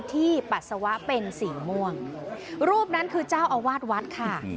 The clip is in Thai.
ปัสสาวะเป็นสีม่วงรูปนั้นคือเจ้าอาวาสวัดค่ะ